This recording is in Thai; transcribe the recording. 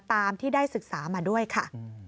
ตามที่ได้ศึกษามาด้วยค่ะ